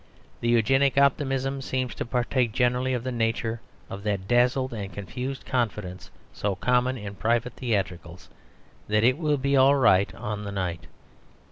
The Eugenic optimism seems to partake generally of the nature of that dazzled and confused confidence, so common in private theatricals, that it will be all right on the night.